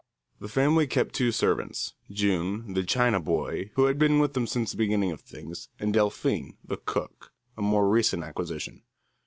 The family kept two servants, June the "China boy," who had been with them since the beginning of things, and Delphine the cook, a more recent acquisition.